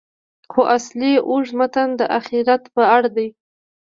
خو اصلي اوږد متن د آخرت په اړه دی.